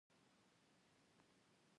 په تخریبي توګه زیانمن کړ.